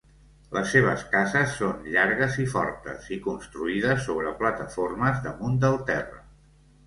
Les seves cases són llargues i fortes i construïdes sobre plataformes damunt del terra.